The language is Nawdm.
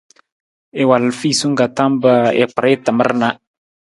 I wal fiisung ka tam pa i kpar i tamar na.